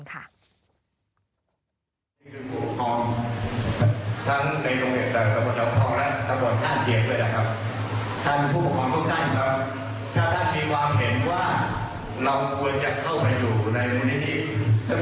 ใครเข้าไปอยู่ในหุ้นแหลงคุณระยุบเบอร์นะครับ